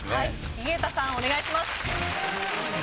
井桁さんお願いします。